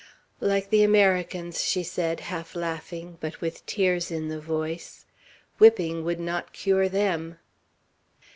"Like the Americans," she said, half laughing, but with tears in the voice. "Whipping would not cure them."